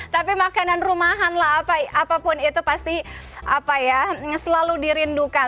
tapi makanan rumahan lah apapun itu pasti selalu dirindukan